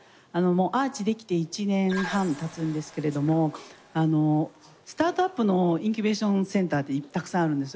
ＡＲＣＨできて１年半経つんですけれどもスタートアップのインキュベーションセンターってたくさんあるんですよ。